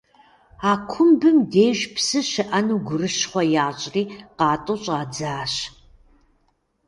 А кумбым деж псы щыӏэну гурыщхъуэ ящӏри къатӏу щӏадзащ.